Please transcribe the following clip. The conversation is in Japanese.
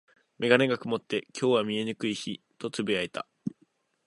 メガネが曇って、「今日は見えにくい日」と嘆いた。